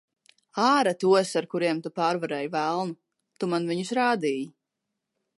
Āre tos, ar kuriem tu pārvarēji velnu. Tu man viņus rādīji.